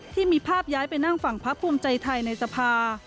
ที่มีภาพย้ายไปนั่งฝั่งพักภูมิใจไทยในสภา